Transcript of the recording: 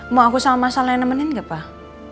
mau aku sama mas salah yang nemenin nggak pak